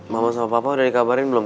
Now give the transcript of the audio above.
mama sama papa udah dikabarin belum